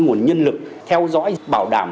nguồn nhân lực theo dõi bảo đảm